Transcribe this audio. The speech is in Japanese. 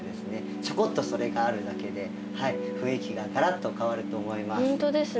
ちょこっとそれがあるだけで雰囲気がガラッと変わると思います。